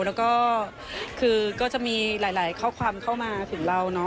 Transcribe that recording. แล้วก็คือก็จะมีหลายข้อความเข้ามาถึงเราเนาะ